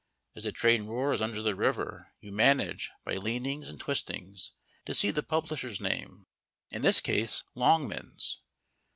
As the train roars under the river you manage, by leanings and twistings, to see the publisher's name in this case, Longmans.